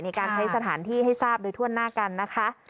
ในการใช้สถานที่ให้ทราบโดยทั่วหน้ากันนะคะ